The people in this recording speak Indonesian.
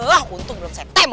wah untung belum saya tembak